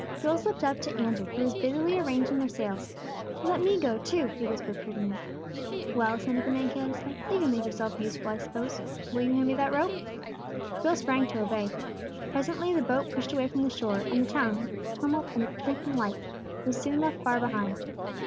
Joel slipped up to Andrew, who was busily arranging their sails. "Let me go, too!" he whispered pleadingly. "Well," assented the man, carelessly, "You can make yourself useful, I suppose. Will you hand me that rope?" Joel sprang to obey. Presently the boat pushed away from the shore, and the town, with its tumult and its twinkling lights, was soon left far behind.